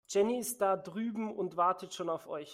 Jenny ist da drüben und wartet schon auf euch.